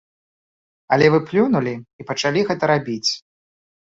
Але вы плюнулі і пачалі гэта рабіць.